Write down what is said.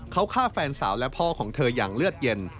เขาฆ่าแฟนสาวและพ่อของเธออย่างเลือดเย็น